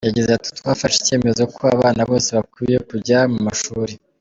Yagize ati :”…Twafashe icyemezo ko abana bose bakwiye kujya mu mashuri.